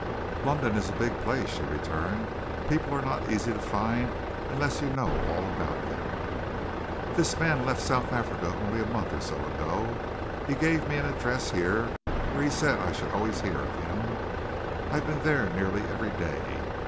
"London is a big place," she returned. "People are not easy to find unless you know all about them." "This man left South Africa only a month or so ago. He gave me an address here where he said I should always hear of him. I've been there nearly every day.